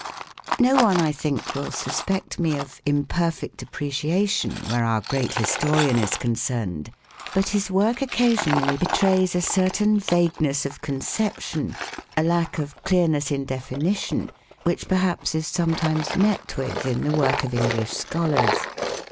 No one, I think, will suspect me of imperfect' appreciation where our great historian is concerned, but his work occasionally betrays a certain vagueness of conception, a lack of clearness in definition, which perhaps is sometimes met with in the work of English scholars.